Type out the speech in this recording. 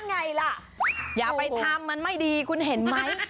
ไงล่ะอย่าไปทำมันไม่ดีคุณเห็นไหม